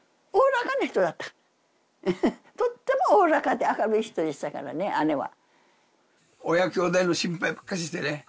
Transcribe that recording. とってもおおらかで明るい人でしたからね姉は。